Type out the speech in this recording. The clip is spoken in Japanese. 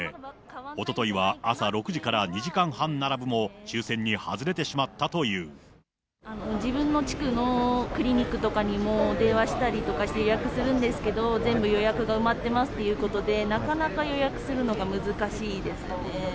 おとといは朝６時から２時間半並ぶも、抽せんに外れてしまったと自分の地区のクリニックとかにも電話したりとかして、予約するんですけど、全部予約が埋まってますということで、なかなか予約するのが難しいですね。